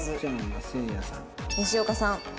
西岡さん